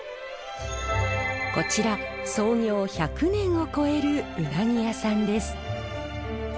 こちら創業１００年を超えるうなぎ屋さんです。